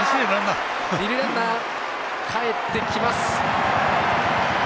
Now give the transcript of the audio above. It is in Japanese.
二塁ランナーかえってきます。